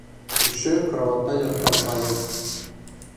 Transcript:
Күрше карауатта ятҡан Павел: